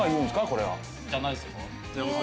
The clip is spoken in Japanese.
これは。じゃないですか？